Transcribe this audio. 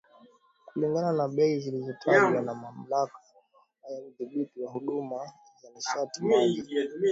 Kulingana na bei zilizotajwa na Mamlaka ya Udhibiti wa Huduma za Nishati na Maji,